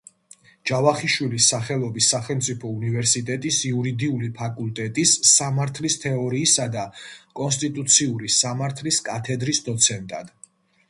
ჯავახიშვილის სახელობის სახელმწიფო უნივერსიტეტის იურიდიული ფაკულტეტის სამართლის თეორიისა და კონსტიტუციური სამართლის კათედრის დოცენტად.